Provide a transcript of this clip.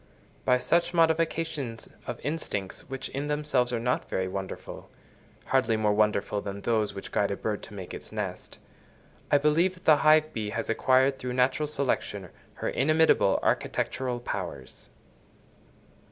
By such modifications of instincts which in themselves are not very wonderful—hardly more wonderful than those which guide a bird to make its nest—I believe that the hive bee has acquired, through natural selection, her inimitable architectural powers.